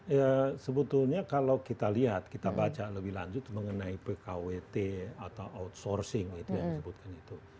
ya sebetulnya kalau kita lihat kita baca lebih lanjut mengenai pkwt atau outsourcing itu yang disebutkan itu